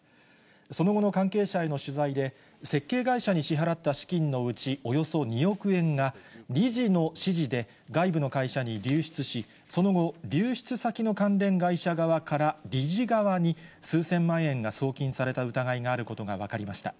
その後の関係者への取材で、設計会社に支払った資金のうちおよそ２億円が、理事の指示で外部の会社に流出し、その後、流出先の関連会社側から理事側に、数千万円が送金された疑いがあることが分かりました。